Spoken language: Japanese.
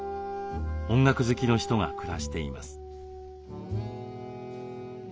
音楽好きの人が暮らしています。